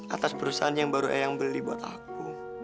atas perusahaan yang baru eyang beli buat aku